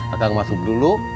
akang masuk dulu